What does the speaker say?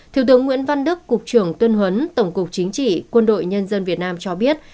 thiếu tướng nguyễn văn đức cục trưởng tuyên huấn tổng cục chính trị quân đội nhân dân việt nam cho biết